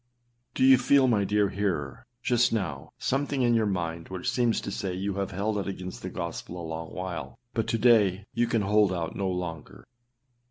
Do you feel, my dear hearer, just now, something in your mind which seems to say you have held out against the gospel a long while, but to day you can hold out no longer?